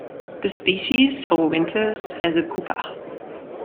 This species overwinters as a pupa.